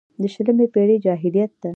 د شلمې پېړۍ جاهلیت ده.